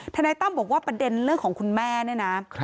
นายตั้มบอกว่าประเด็นเรื่องของคุณแม่เนี่ยนะ